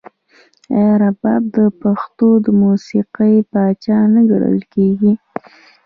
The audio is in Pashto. آیا رباب د پښتو موسیقۍ پاچا نه ګڼل کیږي؟